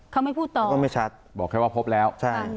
เขาไม่พูดต่อก็ไม่ชัดบอกแค่ว่าพบแล้วใช่